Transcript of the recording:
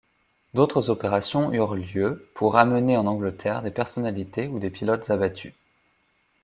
D'autres opérations eurent lieu pour amener en Angleterre des personnalités ou des pilotes abattus.